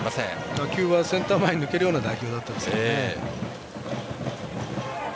打球はセンター前に抜けるような打球でしたね。